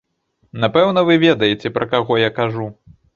Напэўна, вы ведаеце, пра каго я кажу.